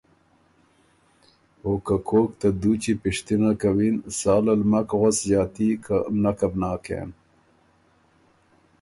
اوکه کوک ته دُوچی پِشتِنه کَوِن ساله ل مک غؤس ݫاتی، که نکه بو ناکېن۔